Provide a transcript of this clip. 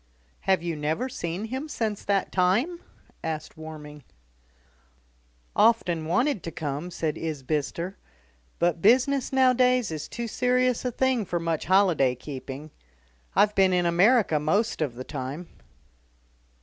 "Have you never seen him since that time?" asked Warming. "Often wanted to come," said Isbister; "but business nowadays is too serious a thing for much holiday keeping. I've been in America most of the time."